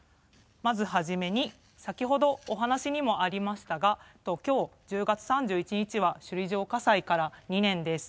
まずはじめに先ほどお話にもありましたがきょう、１０月３１日は首里城火災から２年です。